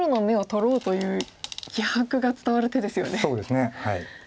そうですね。